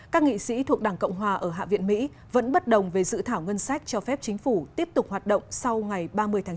các nghị sĩ thuộc đảng cộng hòa ở hạ viện mỹ vẫn bất đồng về dự thảo ngân sách cho phép chính phủ tiếp tục hoạt động sau ngày ba mươi tháng chín